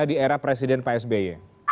di era presiden pak sby